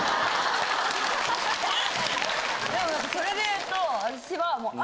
でもそれで言うと。